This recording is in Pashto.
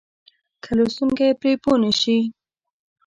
که لوستونکی پرې پوه نه شي.